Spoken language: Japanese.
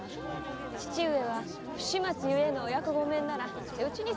父上は不始末ゆえのお役御免なら手討ちにするとおっしゃって。